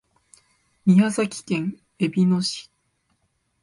宮崎県えびの市